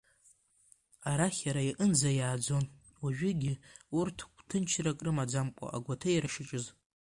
Арахь иара иҟынӡа иааӡон уажәыгьы урҭ гә-ҭынчрак рымаӡамкәа агәаҭеира ишаҿыз.